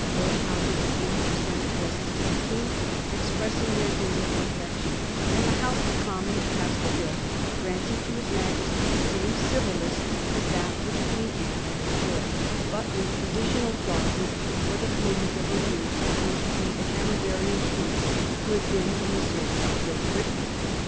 Both Houses agreed to send addresses to the King, expressing their duty and affection ; and the House of Commons passed a bill granting to His Majesty the same civil list as that which Queen Anne had enjoyed, but with additional clauses for the payment of arrears due to the Hanoverian troops who had been in the service of Great Britain.